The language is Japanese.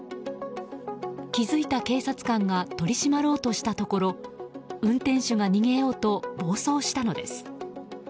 気づいた警察官が取り締まろうとしたところ運転手が逃げようと暴走したのです。